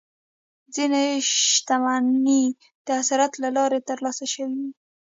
ځینې شتمنۍ د ارث له لارې ترلاسه شوې وي.